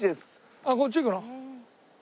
あっこっち行くの？